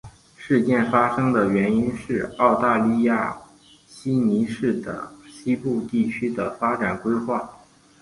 事件发生的原因是澳大利亚悉尼市的西部地区的发展规划。